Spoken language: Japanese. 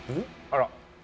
あら！